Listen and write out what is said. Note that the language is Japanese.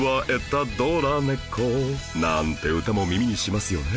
なんて歌も耳にしますよね